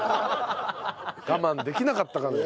我慢できなかったかな。